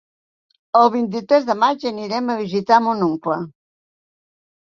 El vint-i-tres de maig anirem a visitar mon oncle.